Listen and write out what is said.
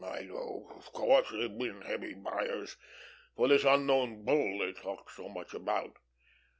"I know, of course, they've been heavy buyers for this Unknown Bull they talk so much about."